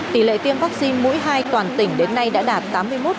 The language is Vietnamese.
tỷ lệ tiêm vaccine mũi hai toàn tỉnh đến nay đã đạt tám mươi một